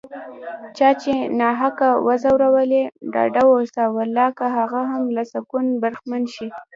چا چې ناحقه وځورولي، ډاډه اوسه والله که هغه هم له سکونه برخمن شي